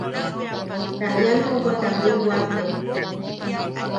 Ta ian juʼubwa tameu waate.